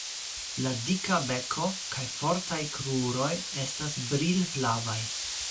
La dika beko kaj fortaj kruroj estas brilflavaj.